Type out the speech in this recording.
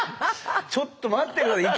ちょっと待って下さい。